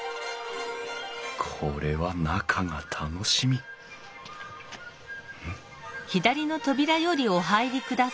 これは中が楽しみん？